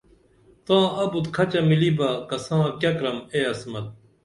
تاں ابُت کھچہ ملی کساں بہ کیہ کرم اے عصمت